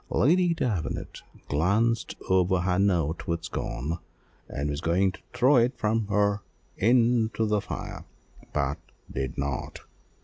Lady Davenant glanced over her note with scorn, and was going to throw it from her into the fire, but did not.